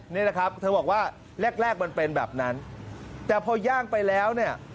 นี่นะครับเธอบอกว่าแรกแรกมันเป็นแบบนั้นแต่พอย่าไปแล้วเนี่ย